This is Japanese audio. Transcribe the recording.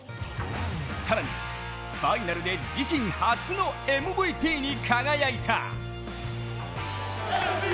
更に、ファイナルで自身初のＭＶＰに輝いた。